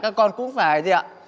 các con cũng phải gì ạ